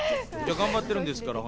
頑張ってるんですから。